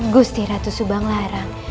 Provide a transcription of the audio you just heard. gusti ratu subang lara